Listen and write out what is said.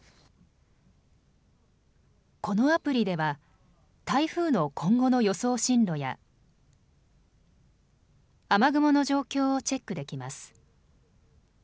このアプリでは台風の今後の予想進路や雨雲の状況をチェックできます。